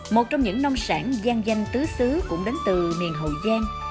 một trong những nông sản giang danh tứ xứ cũng đến từ miền hậu giang